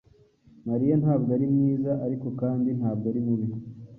Mariya ntabwo ari mwiza, ariko kandi ntabwo ari mubi.